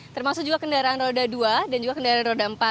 termasuk juga kendaraan roda dua dan juga kendaraan roda empat